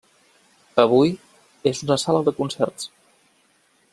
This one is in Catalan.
Avui, és una sala de concerts.